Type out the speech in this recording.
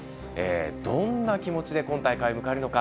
どんな気持ちで今大会を迎えるのか。